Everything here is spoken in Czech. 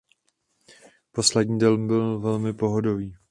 Poslední den byl velmi pohodový.